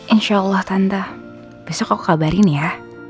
insya allah tanda besok aku kabarin ya